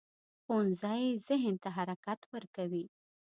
ښوونځی ذهن ته حرکت ورکوي